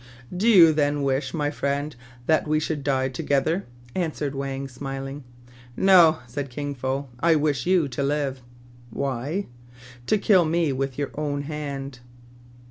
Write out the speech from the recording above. " Do you then wish, my friend, that we should die together?" answered Wang, smiling. " No," said Kin Fo :" I wish you to live." "Why?" "To kill me with your own hand."